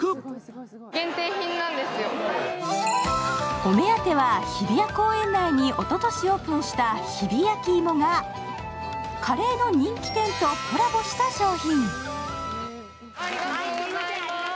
お目当ては日比谷公園内におととしオープンした日比焼き芋がカレーの人気店とコラボした商品。